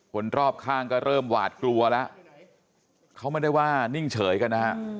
คนรอบข้างก็เริ่มหวาดกลัวแล้วเขาไม่ได้ว่านิ่งเฉยกันนะฮะ